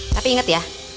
tapi ingat ya